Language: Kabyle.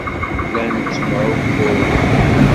Llan ttemεukkuren.